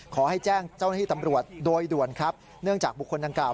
ขอให้แจ้งเจ้าหน้าที่ตำรวจโดยด่วนครับเนื่องจากบุคคลดังกล่า